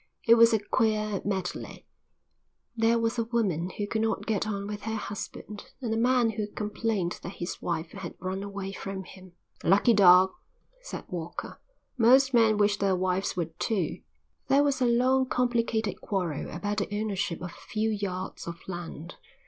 It was a queer medley. There was a woman who could not get on with her husband and a man who complained that his wife had run away from him. "Lucky dog," said Walker. "Most men wish their wives would too." There was a long complicated quarrel about the ownership of a few yards of land.